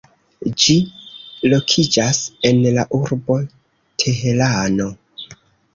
Ĝi lokiĝas en la urbo Teherano.